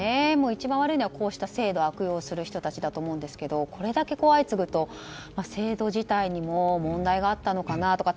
一番悪いのは制度を悪用する人たちと思いますがこれだけ相次ぐと制度自体にも問題があったのかなとか。